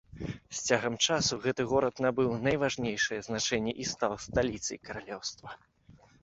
З цягам часу гэты горад набыў найважнейшае значэнне і стаў сталіцай каралеўства.